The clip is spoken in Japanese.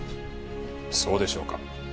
そうでしょうか。